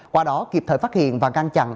qua đó kịp thời phát hiện và ngăn chặn